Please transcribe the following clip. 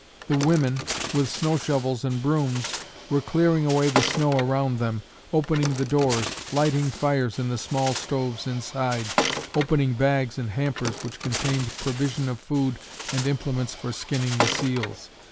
The women, with snow shovels and brooms, were clearing away the snow around them, opening the doors, lighting fires in the small stoves inside, opening bags and hampers which contained provision of food and implements for skinning the seals.